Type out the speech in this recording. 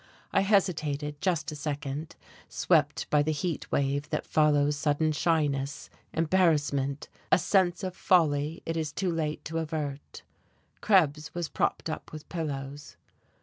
I hesitated just a second, swept by the heat wave that follows sudden shyness, embarrassment, a sense of folly it is too late to avert. Krebs was propped up with pillows.